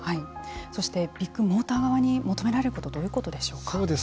そしてビッグモーター側に求められることどういうことでしょうか。